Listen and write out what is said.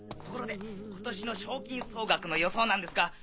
ところで今年の賞金総額の予想なんですが